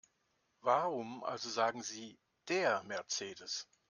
Warum also sagen Sie DER Mercedes?